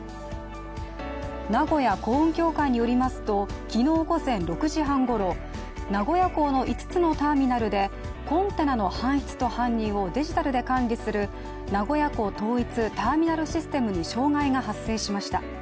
名古屋港運協会によりますと昨日午前６時半ごろ名古屋港の５つのターミナルでコンテナの搬出と搬入をデジタルで管理する名古屋港統一ターミナルシステムに障害が発生しました。